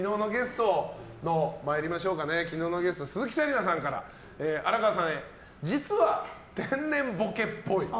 昨日のゲスト鈴木紗理奈さんから荒川さんへ、実は天然ボケっぽい。